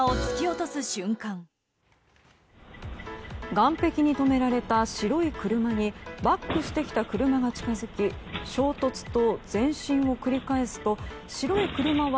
岸壁に止められた白い車にバックしてきた車が近づき衝突と前進を繰り返すと白い車は